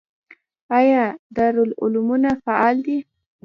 آیا دارالعلومونه فعال دي؟